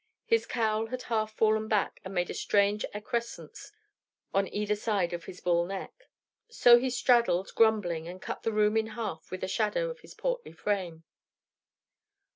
His cowl had half fallen back, and made a strange excrescence on either side of his bull neck. So he straddled, grumbling, and cut the room in half with the shadow of his portly frame.